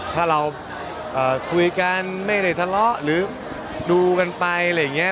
ถ้าเราคุยกันไม่ได้ทะเลาะหรือดูกันไปอะไรอย่างนี้